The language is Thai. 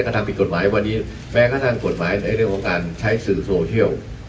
ถ้าทำผิดกฎหมายวันนี้แม้กระทั่งกฎหมายในเรื่องของการใช้สื่อโซเชียล